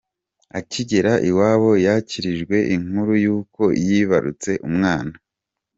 Akigera iwabo yakirijwe inkuru y'uko yibarutse umwana.